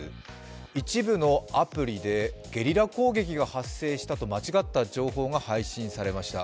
一部のアプリでゲリラ攻撃が発生したと間違った情報が発信されました。